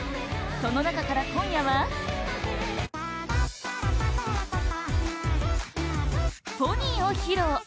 その中から今夜は「フォニイ」を披露